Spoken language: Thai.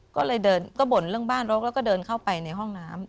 ก็เลยเดินก็บ่นเรื่องบ้านรกแล้วก็เดินเข้าไปในห้องน้ำ